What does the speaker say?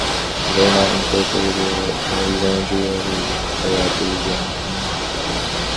Though not incorporated, Alexandria is a rapidly growing community.